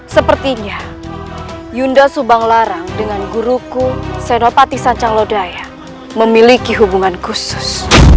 sepertinya yunda subang larang dengan guruku senopati sancang lodaya memiliki hubungan khusus